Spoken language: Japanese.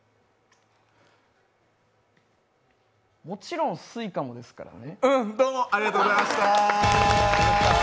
もちろんＳｕｉｃａもですからね。